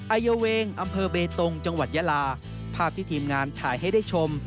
อายเวงอำเภอเบตงจังหวัดยาลาภาพที่ทีมงานถ่ายให้ได้ชม